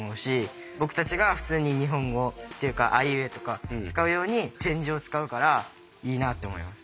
僕たちが普通に日本語っていうか「あいうえお」とか使うように点字を使うからいいなって思います。